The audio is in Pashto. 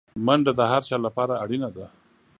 منډه د هر چا لپاره اړینه ده